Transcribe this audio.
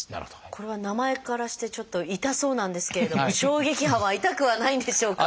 これは名前からしてちょっと痛そうなんですけれども衝撃波は痛くはないんでしょうか？